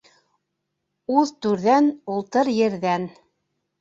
Уҙ түрҙән, ултыр ерҙән.